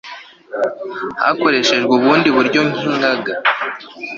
hakoreshejwe ubundi buryo nk'ingaga